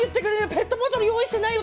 ペットボトル用意してないよ